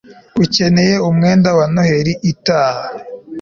ukeneye umwenda wa noheli itaha